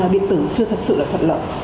điện tử chưa thật sự là thuận lợi